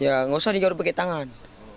ya nggak usah nih kalau pakai tangan